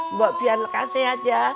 mbok biar lekasin aja